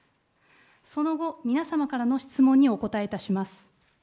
その後、皆様からの質問にお答えいたします。